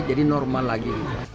jadi normal lagi